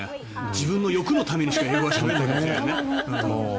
自分の欲のためにしか英語はしゃべれないからね。